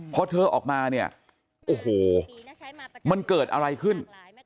พอเธอออกมาเนี่ยโอ้โหมันเกิดอะไรขึ้น